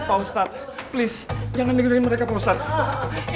pak ustadz please jangan dengerin mereka pak ustadz